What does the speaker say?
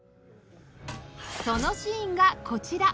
そのシーンがこちら